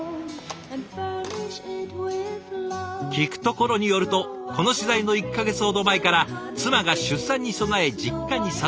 聞くところによるとこの取材の１か月ほど前から妻が出産に備え実家に里帰り。